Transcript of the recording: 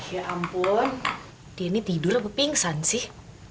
ya ampun dia ini tidur apa pingsan sih